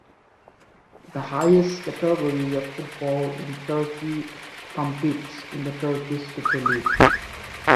The highest category of Football in Turkey competes in the Turkish Super League.